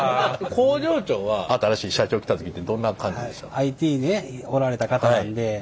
工場長は新しい社長来た時ってどんな感じでした？